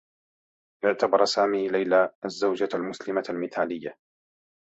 اعتبر سامي ليلى الزّوجة المسلمة المثاليّة.